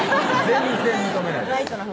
全然認めないです